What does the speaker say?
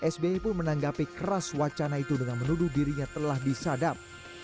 sbi pun menanggapi keras wacana itu dengan menuduh dirinya telah disadap